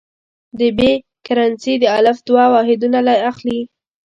د ب کرنسي د الف دوه واحدونه اخلي.